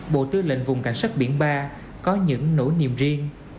bộ tư lệnh vùng cảnh sát biển ba có những nỗi niềm riêng